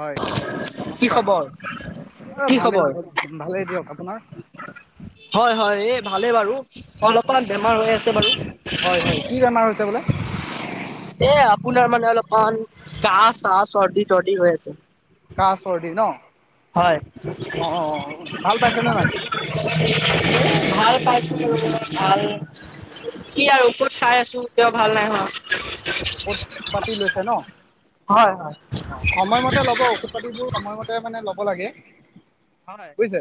হয় কি নমস্কাৰ খবৰ অ কি ভালেই খবৰ দিয়ক ভালেই দিয়ক। আপোনাৰ? হয় হয় এই ভালেই বাৰু অলপ অলপ বেমাৰ হৈ আছে বাৰু। হয় হয় কি বেমাৰ হৈছে বোলে? এ আপোনাৰ মানে অলপমান কাহ-চাহ, চৰ্দি-তৰ্দি হৈ আছে। কাহ, চৰ্দি ন। হয়। অ অ অ ভাল পাইছে নে নাই? ভাল পাইছো বাৰু ভাল কি আৰু ঔষধ খাই আছো ভাল নাই হোৱা। ঔষত পাতি লৈছে ন। হয় হয় অ সময়মতে ল'ব ঔষধ পাতিবোৰ সময়মতে মানে ল'ব লাগে। হয় বুজিছে।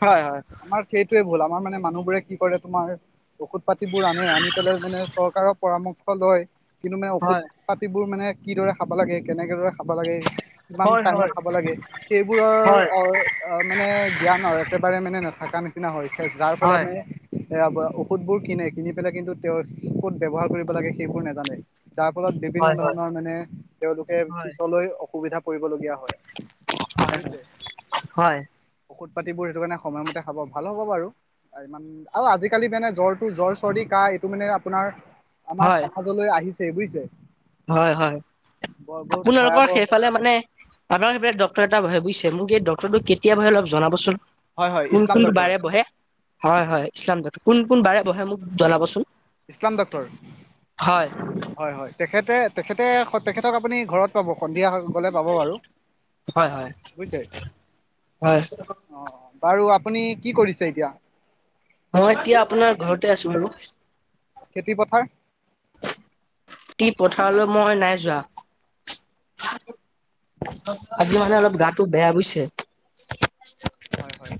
হয় হয়। আমাৰ সেইটোৱে ভুল আমাৰ মানে মানুহবোৰে কি কৰে তোমাৰ- ঔষধ পাতিবোৰ আনে আনি পেলাই মানে চৰকাৰৰ পৰামৰ্শ লয়- কিন্তু মানে ঔষধ হয় হয় পাতিবোৰ মানে কিদৰে খাব লাগে কেনেকেদৰে- খাবা লাগে, কিমান হয় হয় টাইমত হয় খাবা লাগে সেইবোৰৰ অ অঁ মানে জ্ঞান একেবাৰে মানে নেথাকা নিচিনা হৈছে, যাৰ ফলত মানে এ ঔষধ বোৰ কিনে কিনি পেলাই কিন্তু তেওঁ ক'ত ব্যৱহাৰ কৰিব লাগে, সেইবোৰ নাজানে। যাৰ ফলত বিভিন্ন হয় হয় হয় ধৰণৰ মানে তেওঁলোকে পিছলৈ অসুবিধা পৰিবলগীয়া হয়। বুজিছে, ঔষধ পাতিবোৰ সেইটো কাৰণে সময়মতে খাব, ভাল হ'ব বাৰু। ইমান আৰু আজিকালি মানে জ্বৰটো জ্বৰ চৰ্দি কাহ এইটো মানে আপোনাৰ আমাৰ হয় হয় সমাজলৈ আহিছে, বুজিছে? হয় হয়, বৰ বহুত আপোনালোকৰ ভয়াৱহ সেইফালে মানে আপনাৰ সিফালে ডক্তৰ এটা ব'হে, বুইছে? মোক এই ডক কেতিয়া বহে অলপ জনাবচোন। হয় হয় কোন ইছলাম কোন ডক্তৰ বাৰে বহে জনাব চুন। হয়, হয়। ইছলাম ডট। কোন কোন বাৰে ব'হে মোক জনাবচোন। ইছলাম ডক্টৰ, হয় হয়, হয়। তেখেতে তেখেতে তেখেতক আপুনি ঘৰত পাব সন্ধিয়া হৈ গল। সকলোৱে পাব বাৰু, হয় হয় বুইছে। হয়। অঁ, বাৰু আপুনি কি কৰিছে এতিয়া? মই এতিয়া আপোনাৰ ঘৰতে আছোঁ বাৰু। খেতিপথাৰ তি পথাৰলৈ মই নাই যোৱা। আজি অ মানে অলপ গাটো বেয়া বুজিছে। হয়, হয়।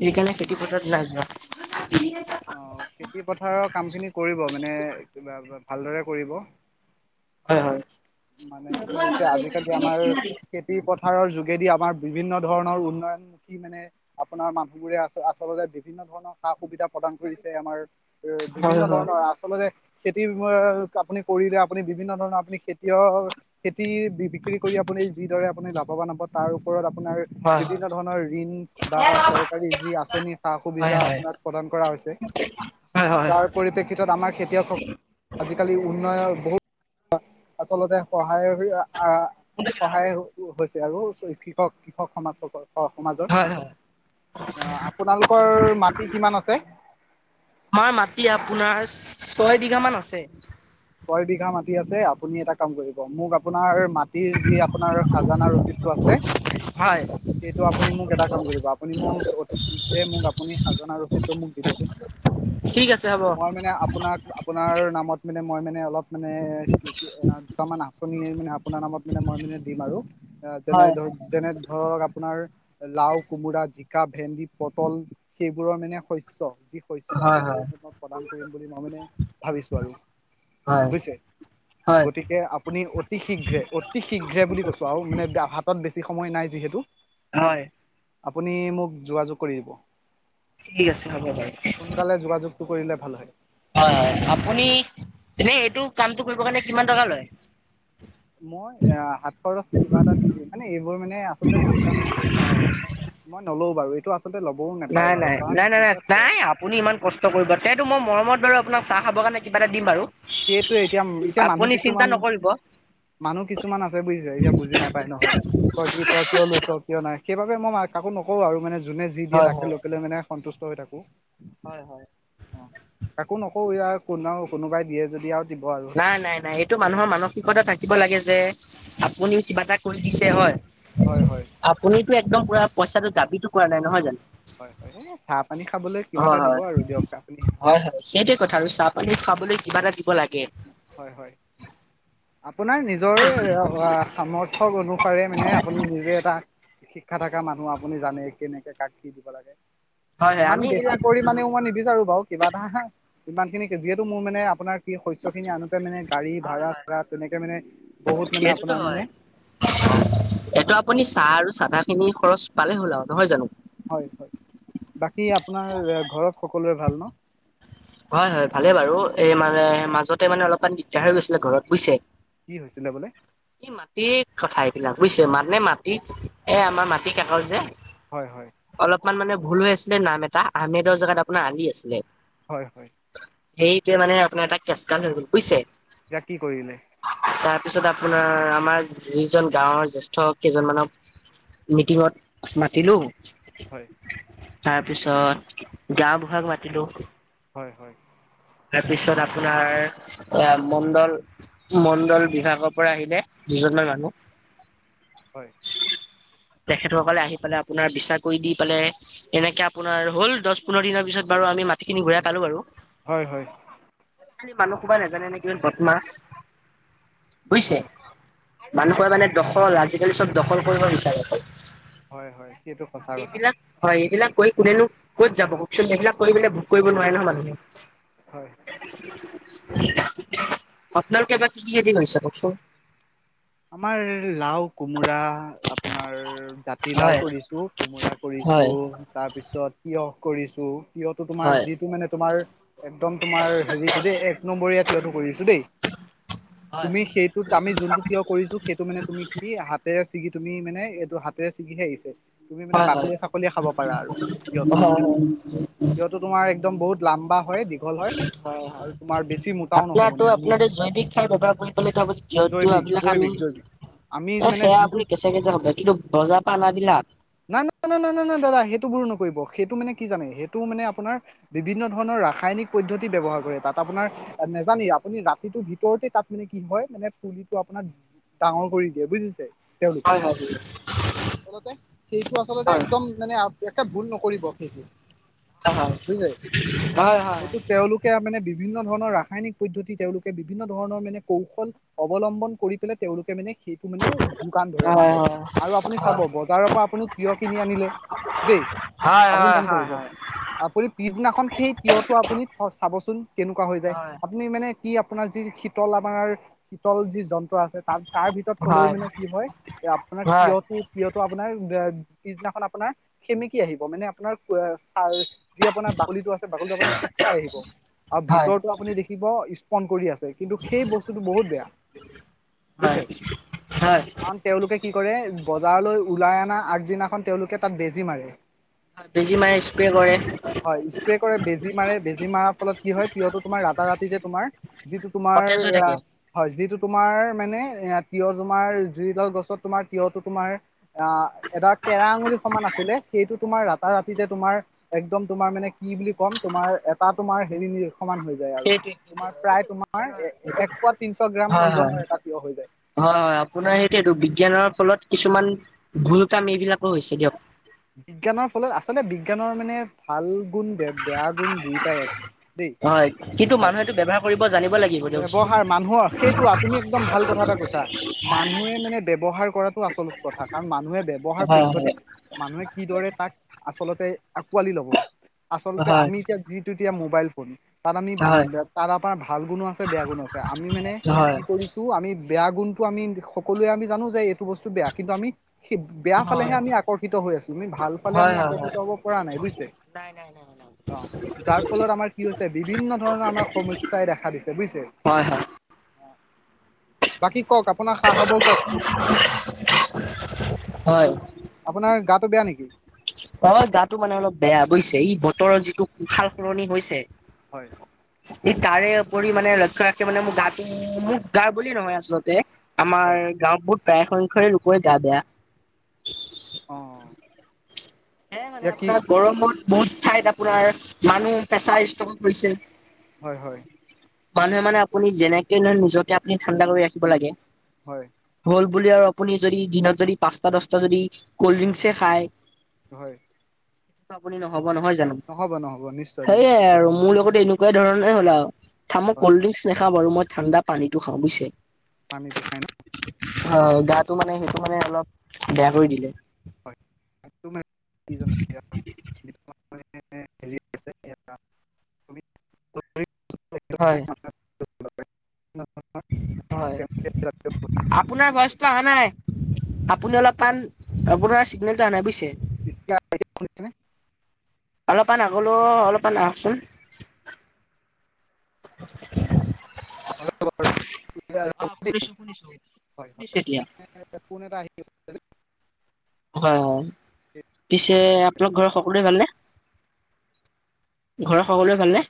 সেইকাৰণে খেতি পথাৰত নাই যোৱা। অ' খেতি পথাৰৰ কামখিনি কৰিব, মানে কিবা ভালদৰে কৰিব। হয় হয়। মানে কি হৈছে, আজিকালি আমাৰ খেতি পথাৰৰ যোগেদি আমাৰ বিভিন্ন ধৰণৰ উন্নয়নমুখী মানে আপোনাৰ মানুহবোৰে আ আচলতে বিভিন্ন ধৰণৰ সা সুবিধা প্ৰদান কৰিছে। আমাৰ বিভিন্ন হয় হয় হয় হয়। ধৰণৰ আচলতে খেতি আপুনি কৰিলে, আপুনি বিভিন্ন ধৰণৰ আপুনি খেত কিয় খেতিৰ বি বিক্ৰী কৰি আপুনি যিদৰে আপুনি লাভৱান হ'ব, তাৰ ওপৰত আপোনাৰ বিভিন্ন ধৰণৰ ঋণ বা হয় চৰকাৰী যি আঁচনি সা হয় সুবিধা আপোনাৰ প্ৰদান কৰা হৈছে। হয় হয়। যাৰ পৰিপ্ৰেক্ষিতত আমাৰ খেতিয়ক আজিকালি উন্নয়নৰ বহুত আচলতে সহায় আ সহায় টো হৈছে আৰু কৃষক কৃষক সমাজসকল অ, সমাজত। হয় হয়। অ, আপোনালোকৰ মাটি কিমান আছে? আমাৰ মাটি আপোনাৰ ছয় বিঘামান আছে। ছয় বিঘা মাটি আছে, আপুনি এটা কাম কৰিব মোক আপোনাৰ মা [unintelligible] যি আপোনাৰ খাজানাৰ ৰচিদটো আছে হয়। সেইটো আপুনি মোক এটা কাম কৰিব, আপুনি মোক অতি শীঘ্ৰে মোক আপুনি খাজানাৰ ৰচিদটো মোক দিবচোন। ঠিক আছে হ'ব। মই মানে আপোনাক আপোনাৰ নামত মানে মই মানে অলপ মানে এ দুটামান আচনি মানে আপোনাৰ নামত মানে মই মানে দিম আৰু। আ তেনে হয়, ধৰ, যেনে ধৰক আপোনাৰ লাও, কোমোৰা, জিকা, ভেন্দি, পটল সেইবোৰৰ মানে শস্য যি শস্য হয়, হয়, আপোনালোকলৈ প্ৰদান কৰিম বুলি মই মানে ভাবিছোঁ আৰু। হয়, বুজিছে হয়। গতিকে আপুনি অতি শীঘ্ৰে অতি শীঘ্ৰে বুলি কৈছো আৰু মানে হাতত বেছি সময় নাই যিহেতু হয় আপুনি মোক যোগাযোগ কৰি দিব ঠিক আছে হ'ব বাৰু। সোনকালে যোগোযোগ কৰিলে ভাল হয় হয় হয় আপুনি তেনে এইটো কামটো কৰিব কাৰণে কিমান টকা লয় মই এ সাত খৰচ কিবা এটা দি দিম মানে এইবোৰ মানে আচলতে পইচা মানে কিয় হ'ব মানে মই নলও বাৰু এইটো আচলতে ল'বও নাই, নাপায় বাৰু নাই, কাৰণ নাই, নাই, নাই, এইবিলাক চ নাই আপুনি ইমান কষ্ট কৰিব তেতো মই মৰমত বাৰু আপোনাক চাহ খাব কাৰণে কিবা এটা দিম বাৰু সেইটো এতিয়া এতিয়া মানুহ আপুনি চিন্তা কিছুমান নকৰিব। মানুহ কিছুমান আছে বুজিছে এতিয়া বুজি নাপায় নহয় তই কি তই কিয় লৈছ কিয় নাই সেইবাবে মই কাকো নকওঁ আৰু মানে যোনে যি দিয়ে হয়, তাকে হয়। লৈ [unintelligible] মানে সন্তুষ্ট হৈ থাকো হয় হয় অ কাকো নকোও ই এয়া কোন কোনোবাই দিয়ে যদি আৰু দিব আৰু নাই নাই নাই এইটো মানুহৰ মানসিকতা থাকিব লাগে যে আপুনিও কিবা এটা কৰি দিছে হয় হয় হয় আপুনিতো একদম পুৰা পইচাটো দাবীটো কৰা নাই নহয় জানো হয় হয় এই চাহ পানী খাবলৈ কিবা এটা দিব আৰু দিয়ক আপুনি সেইটোয়ে কথা আৰু চাহ পানী খুৱাবলৈ কিবা এটা দিব লাগে আপোনাৰ নিজৰ সামৰ্থক অনুসৰি পাৰে মানে আপুনি নিজে এটা শিক্ষা থকা মানুহ আপুনি জানে কেনেকে কাক কি দিব লাগে হয়, হয়, ইমান আমি বেছি এইবিলাক পৰিমাণেও মই নিবিচাৰো বাৰু কিবা এটা হা ইমান খিনি যিহেতু মোৰ মানে আপোনাৰ কি শ [unintelligible] খিনি আনোতে গাড়ী হয় ভাড়া হয় চাৰা তেনেকে মানে বহুত মানে সেইটোতো আপোনাৰ মানে হয় এইটো আপুনি চাহ আৰু চাদা খিনি খৰচ পালে হ'ল আৰু নহয় জানো হয় হয় বাকী আপোনাৰ ঘৰত সকলোৰে ভাল ন হয় হয় ভালে বাৰু এই মানে মাজতে মানে অলপমান দিগদাৰ হৈ গৈছিলে ঘৰত বুজিছে কি হৈছিলে বোলে এই মাটিৰ কথা এইবিলাক বুজিছে মানে মাটি এ আমাৰ মাটি কাঠৰ যে হয় হয় অলপমান মানে ভুল হৈ আছিলে নাম এটা আহমেদৰ জেগাত আপোনাৰ আলি আছিলে হয় হয় সেইটোৱে মানে আপোনাৰ এটা কেচকান হৈ গ'ল বুজিছে যাক কি কৰিলে তাৰপিছত আপোনাৰ আমাৰ যিজন গাঁওৰ জেষ্ঠ কেইজনমানক মিটিংত মাতিলোঁ হয় তাৰ পিছত গাওঁ বুঢ়াক মাতিলো হয় হয় তাৰপিছত আপোনাৰ এ মণ্ডল মণ্ডল বিভাগৰ পৰা আহিলে দুজনমান মানুহ হয় তেখেতসকলে আহি পেলাই আপোনাৰ বিচাৰ কৰি দি পেলে এনেকে আপোনাৰ হ'ল দহ পোন্ধৰ দিনৰ পিছত বাৰু আমি মাটিখিনি ঘুৰাই পালো বাৰু হয় হয় আজিকালি মানুহ হোপাই নেজানে নেকি বদ মাছ বুইছে হয় মানুহ কৈ মানে দখল আজিকালি চব দখল কৰিব বিচাৰে হয় হয় সেইটো সঁচা কথা এইবিলাক হয় এইবিলাক কৈ কোনেনো ক'ত যাব কওকচোন এইবিলাক কৈ পেলাই ভোক কৰিব নোৱাৰে নহয় মানুহে হয় আপোনালোকে বা কি কি য়েদি কৰিছে কওকচোন আমাৰ লাও কোমোৰা আপোনাৰ জাত তিলাও হয় কৰিছোঁ কোমোৰা কৰিছোঁ হয় তাৰপিছত তিঁয়হ কৰিছোঁ তিঁয়হটো তোমাৰ হয় যিটো মানে তোমাৰ একদম তোমাৰ হেৰিটো দেই এক নম্বৰীয়া তিঁয়হটো কৰিছো দেই হয় তুমি সেইটোত আমি জোনটো কিয় কৰিছো সেইটো মানে তুমি কি হাতেৰে ছিগি তুমি মানে এইটো হাতেৰে ছিগিহে আহিছে তুমি মানে হয় বাকলিয়ে হয় চাকলিয়ে খাব পাৰা আৰু তিয়হটো হয় তিয়হ সেটো তোমাৰ একদম বহুত লাম্বা হয় দীঘল হয় হয় হয় আৰু তোমাৰ বেছি মোটাও নহয় মানে আপোনাৰটো আপোনাৰটো জৈৱিক সাৰ বেপাৰ বুলি ক'লে ত আপুনি তিয়ঁহ তিয়হ জৈৱিক বিলাক কানি জৈৱিক জৈৱিক আমি এ মানে সেয়া যিটো আপুনি কেচা কেচা হব কিন্তু বজাৰ পৰা অনা বিলাক নাই ন ন নাই নাই নাই দাদা সেইটো বোৰো নকৰিব সেইটো মানে কি জানে সেইটো মানে আপোনাৰ বিভিন্ন ধৰণৰ ৰাসায়নিক পদ্ধতি ব্যৱহাৰ কৰে তাত আপোনাৰ নেজানি আপুনি ৰাতিটোৰ ভিতৰতে তাত মানে কি হয় মানে ফুলি ত আপোনাক ডাঙৰ কৰি দিয়ে বুজিছে তেওঁলোকে হয় হয় আচলতে সেইটো আচলতে হয় একদম মানে আউপিয়াকে ভুল নকৰিব সেইটো হয় বুজিছে হয় হয় হয় সেইটো তেওঁলোকে আ মানে বিভিন্ন ধৰণৰ ৰাসায়নিক পদ্ধতি তেওঁলোকে বিভিন্ন ধৰণৰ মানে কৌশল অৱলম্বন কৰি পেলাই তেওঁলোকে মানে শীত টো মানে যোগান ধৰে মানুহক আৰু আপুনি চাব বজাৰৰ পৰা আপুনি তিয়হ কিনি আনিলে দেই হয় আপুনি হয় মন হয় কৰিব হয় আপুনি পিছদিনাখন সেই তিয়টো আপুনি ফ চাবচোন তেনুকুৱা হৈ যায় আপুনি মানে কি আপোনাৰ যি শীতল আমাৰ শীতল যি যন্ত্ৰ আছে তাত তাৰ ভিতৰত থলেও মানে কি হয় এ আপোনাৰ তিয়হটো তিয়াহটো আপোনাৰ বে পিছদিনাখন আপোনাৰ হেমেকি আহিব মানে আপোনাৰ ওৱা চা যি আপোনাৰ বাকলিটো আছে বাকলিটো আপোনি খোজ খাই আহিব আৰু হয় হয় ভিতৰতো আপুনি দেখিব স্পন কৰি আছে কিন্তু সেই বস্তুটো বহুত বেয়া হয় বুজিছে হয় কাৰণ তেওঁলোকে কি কৰে বজাৰলৈ ওলাই অনা আগদিনাখন তেওঁলোকে তাত বেজি মাৰে বেছি মাৰে বুজিছে স্প্ৰে কৰ ৰে হয় স্প্ৰে কৰে বেজী মাৰে বেজী মাৰা ফলত কি হয় তিঁয়হটো তোমাৰ ৰাতা ৰাতি যে তোমাৰ যিটো তোমাৰ সতেজ হৈ থাকে আহ হয় যিটো তোমাৰ মানে এ তিঁয়হ তোমাৰ জুইডাল গছত তোমাৰ তিঁয়হটো তোমাৰ আ এটা কেৰা আঙুলি সমান আছিলে সেইটোত তোমাৰ ৰাতাৰ ৰাতিতে তোমাৰ একদম তোমাৰ মানে কি বুলি ক'ম তোমাৰ এটা তোমাৰ হেৰি সমান হৈ যায় আৰু সেইটোৱে তোমাৰ প্ৰায় তোমাৰ এ হয় এক পোৱা তিনশ গ্ৰাম হয় ওজনৰ এটা তিয়হ হৈ যায় হয় হয় আপোনাৰ সেইটোয়েতো বিজ্ঞানৰ ফলত কিছুমান ভুল কাম এইবিলাকো হৈছে দিয়ক বিজ্ঞানৰ ফলত আচলতে বিজ্ঞানৰ মানে ভাল গুণ বেয়া গুণ দুইটাই আছে দেই হয় কিন্তু হয় মানুহেটো ব্যৱহাৰ কৰিব জানিব লাগিব দিয়কচোন ব্যৱহাৰ মানুহৰ সেইটো আপুনি একদম ভাল কথা এটা কৈছা মানুহে মানে ব্যৱহাৰ কৰাত আচল কথা কাৰণ মানুহে ব্যয়ৱহাৰ হয় পদ্ধতিটো মানুহে কিদৰে তাক আচলতে আকোৱালি লব আচলতে হয় আমি এতিয়া যিটো এতিয়া মোবাইল ফোন তাত আমি হয় তাৰ আমাৰ ভাল গুণো আছে বেয়া গুণ আছে আমি মানে হয় কিন্তু আমি বেয়া গুণটো আমি সকলোৱে আমি জানো যে এইটো বস্তু বেয়া কিন্তু আমি বেয়া ফালেহে হয় আমি আকৰ্ষিত হৈ আছো আমি ভাল ফালে হয় আমি হয়। আকৰ্ষিত হব পৰা নাই বুজিছে নাই নাই নাই নাই অ যাৰ ফলত আমাৰ কি হৈছে বিভিন্ন ধৰণৰ আমাৰ সমস্যাই দেখা দিছে বুজিছে হয় হয় বাকী কওক আপোনাৰ খা খবৰ কওক হয় আপোনাৰ গাটো বেয়া নেকি অ গাতো মানে অলপ বেয়া বুজিছে ই বতৰৰ যিটো সাল সলনি হৈছে হয় ই তাৰে উপৰি মানে লক্ষ্য ৰাখে মানে মোৰ গাটো মোক গা বুলিয়ে নহয় আচলতে আমাৰ হয় গাঁৱত বহুত প্ৰায় সংখ্য লোকৰে গা বেয়া অ সেয়াই মানে এতিয়া কি আপোনাৰ কি গৰমত বহুত ঠাইত আপোনাৰ মানুহ প্ৰেচাৰ ষ্টক পৰিছে হয় হয় মানুহে মানে আপুনি যেনেকে নহয় নিজকে আপুনি ঠাণ্ডা কৰি ৰাখিব লাগে হয় হ'ল বুলি আৰু আপুনি যদি দিনত যদি পাঁচটা দহটা যদি কল্ড ড্ৰিংচে খায় হয় আপুনি নহব নহয় জানো নহ'ব নহ'ব নিশ্চয় নিশ্চয় সেইয়াই আৰু মোৰ লগতো এনেকুৱাই ধৰণে হ'ল আৱ থামক হয় কল্ড ড্ৰিংকচ নাখাও বাৰু মই ঠাণ্ডা পানীটো খাওঁ বুজিছে পানীটো খাই ন অ গাটো মানে সেইটো মানে অলপ বেয়া কৰি দিয়ে [unintelligible] হয় [unintelligible] হয় [unintelligible] আপোনাৰ ভয়েছটো অহা নাই আপুনি অলপ মান আপোনাৰ চিগনেলটো আনে বুজিছে এতিয়া শুনিছে নে অলপমান আগলো অলপমান আহচোন অ শুনিছো শুনিছো শুনিছো এতিয়া ফৌন এটা আহি আছে হয় হয় পিছে আপোনালোকৰ ঘৰত সকলোৱে ভাল নে ঘৰৰ সকলোৱে ভালে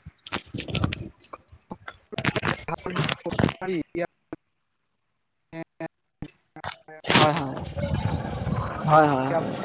[unintelligible] হয় হয় হয় হয়